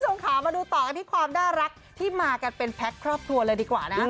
คุณผู้ชมค่ะมาดูต่อกันที่ความน่ารักที่มากันเป็นแพ็คครอบครัวเลยดีกว่านะ